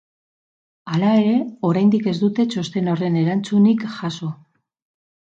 Hala ere, oraindik ez dute txosten horren erantzunik jaso.